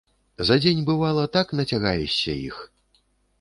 За дзень, бывала, так нацягаешся іх.